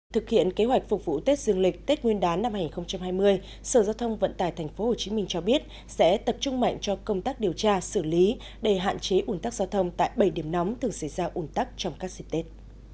thực hiện kế hoạch phục vụ tết dương lịch tết nguyên đán năm hai nghìn hai mươi sở giao thông vận tải tp hcm cho biết sẽ tập trung mạnh cho công tác điều tra xử lý để hạn chế ủn tắc giao thông tại bảy điểm nóng thường xảy ra ủn tắc trong các dịp tết